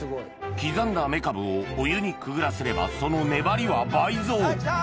刻んだメカブをお湯にくぐらせればその粘りは倍増！